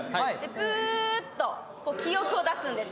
プーッと記憶を出すんです。